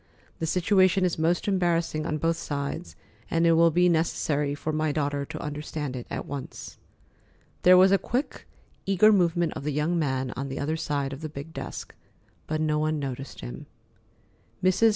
The situation is most embarrassing on both sides, and it will be necessary for my daughter to understand it at once." There was a quick, eager movement of the young man on the other side of the big desk, but no one noticed him. Mrs.